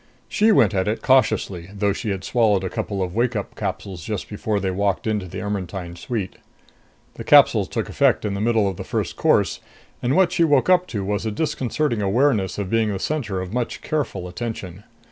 She went at it cautiously, though she had swallowed a couple of wake up capsules just before they walked into the Ermetyne suite. The capsules took effect in the middle of the first course; and what she woke up to was a disconcerting awareness of being the center of much careful attention.